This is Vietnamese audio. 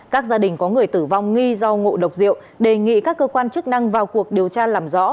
các gia đình có người tử vong nghi do ngộ độc rượu đề nghị các cơ quan chức năng vào cuộc điều tra làm rõ